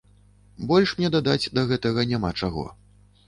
Больш мне дадаць да гэтага няма чаго.